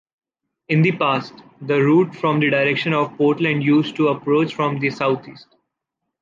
In the past, the route from the direction of Portland used to approach from the southeast.